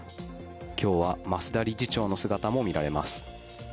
今日は増田理事長の姿もみられます。